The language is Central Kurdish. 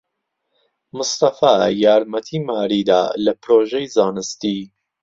مستەفا یارمەتیی ماریی دا لە پرۆژەی زانستی.